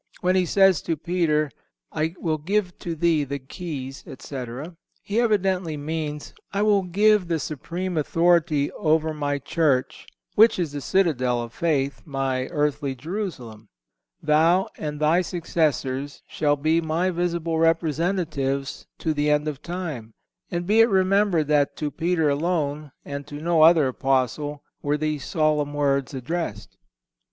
When He says to Peter: "I will give to thee the keys," etc., He evidently means: I will give the supreme authority over My Church, which is the citadel of faith, My earthly Jerusalem. Thou and thy successors shall be My visible representatives to the end of time. And be it remembered that to Peter alone, and to no other Apostle, were these solemn words addressed.